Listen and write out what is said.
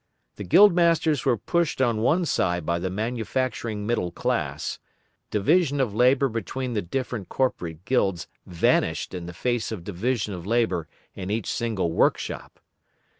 The guild masters were pushed on one side by the manufacturing middle class; division of labour between the different corporate guilds vanished in the face of division of labour in each single workshop.